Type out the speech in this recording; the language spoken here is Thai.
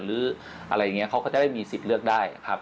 หรืออะไรอย่างนี้เขาก็จะไม่มีสิทธิ์เลือกได้ครับ